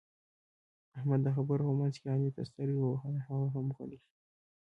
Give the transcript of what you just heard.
احمد د خبرو په منځ کې علي ته سترګه ووهله؛ هغه هم غلی شو.